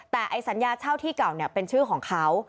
แต่ไอ้สัญญาเช่าที่เก่าเป็นชื่อของเขา